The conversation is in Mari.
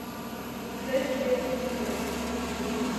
Тый шке куштынет.